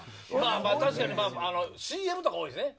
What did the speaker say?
確かにＣＭとか多いですね